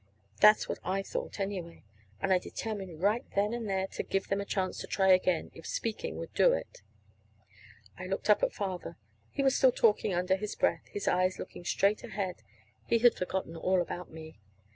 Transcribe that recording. That's what I thought, anyway. And I determined right then and there to give them the chance to try again, if speaking would do it. I looked up at Father. He was still talking half under his breath, his eyes looking straight ahead. He had forgotten all about me.